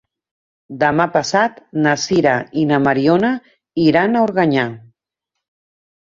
Demà passat na Sira i na Mariona iran a Organyà.